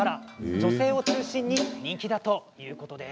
女性を中心に人気だそうです。